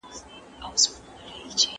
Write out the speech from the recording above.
شاه حسين يو ډېر کمزوری او بې وسه پاچا و.